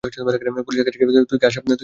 পুলিশের কাছে গিয়ে তুই কী আশা করতে পারিস?